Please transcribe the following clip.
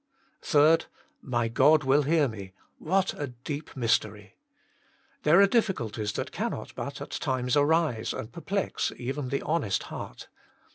" 3. " My God will hear me." What a deep mystery ! There are difficulties that cannot but at times arise and perplex even the honest heart.